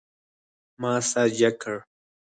ما سر جګ کړ.